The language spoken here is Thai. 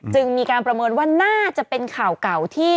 จึงมีการประเมินว่าน่าจะเป็นข่าวเก่าที่